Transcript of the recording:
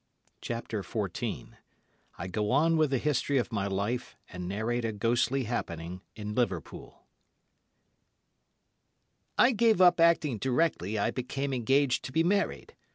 CHAPTER XIV I GO ON WITH THE HISTORY OF MY LIFE, AND NARRATE A GHOSTLY HAPPENING IN LIVERPOOL I gave up acting directly I became engaged to be married.